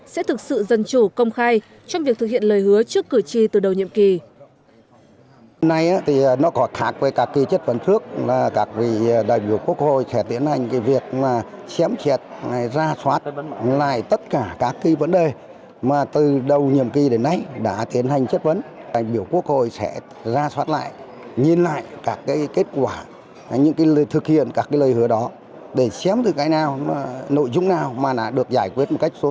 sẽ thực sự dân chủ công khai trong việc thực hiện lời hứa trước cử tri từ đầu nhiệm kỳ